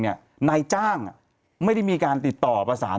นายจ้างไม่ได้มีการติดต่อประสาน